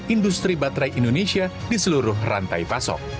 industri baterai indonesia di seluruh rantai pasok